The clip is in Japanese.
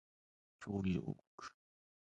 恐竜王国